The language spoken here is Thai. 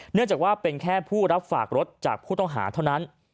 เนื่องจากว่าเป็นแค่ผู้รับฝากรถจากผู้ต้องหาเท่านั้น